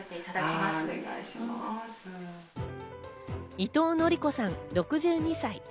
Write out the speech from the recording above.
伊藤訓子さん、６２歳。